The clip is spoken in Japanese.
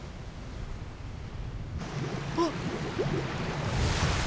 あっ！